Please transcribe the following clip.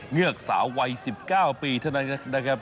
เงือกสาววัย๑๙ปีเท่านั้นนะครับ